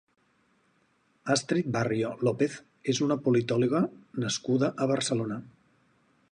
Astrid Barrio López és una politòloga nascuda a Barcelona.